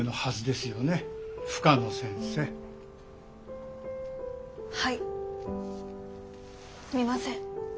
すみません。